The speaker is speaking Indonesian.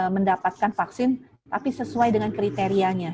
mendapatkan vaksin tapi sesuai dengan kriterianya